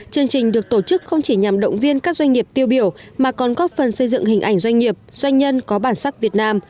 chương trình được tổ chức không chỉ nhằm động viên các doanh nghiệp tiêu biểu mà còn góp phần xây dựng hình ảnh doanh nghiệp doanh nhân có bản sắc việt nam